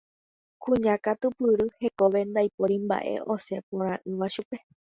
Kuña katupyry hekópe ndaipóri mba'e osẽ porã'ỹva chupe.